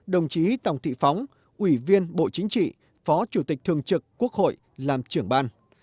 đồng chí tòng thị phóng ủy viên bộ chính trị phó chủ tịch thường trực quốc hội làm trưởng ban